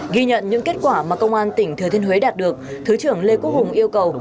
ghi nhận những kết quả mà công an tỉnh thừa thiên huế đạt được thứ trưởng lê quốc hùng yêu cầu